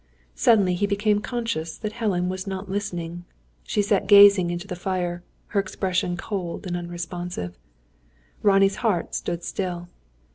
Suddenly he became conscious that Helen was not listening. She sat gazing into the fire; her expression cold and unresponsive. Ronnie's heart stood still.